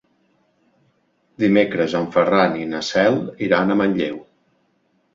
Dimecres en Ferran i na Cel iran a Manlleu.